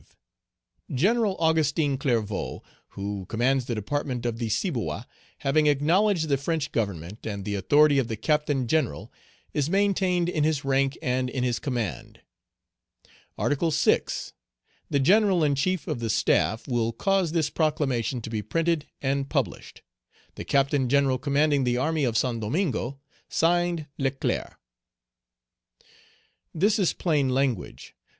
General Augustin Clervaux, who commands the Department of the Ciboa, having acknowledged the French government, and the authority of the Captain general, is maintained in his rank and in his command. "Article 6. The General in chief of the Staff will cause this proclamation to be printed and published. "The Captain General commanding the army of Saint Domingo. (Signed) "LECLERC." This is plain language.